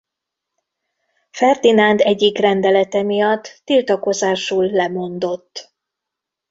Ferdinánd egyik rendelete miatt tiltakozásul lemondott.